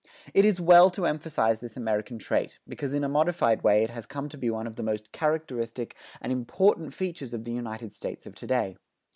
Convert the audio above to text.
It is well to emphasize this American trait, because in a modified way it has come to be one of the most characteristic and important features of the United States of to day.